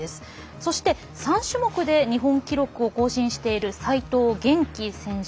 そして３種目で日本記録を更新している齋藤元希選手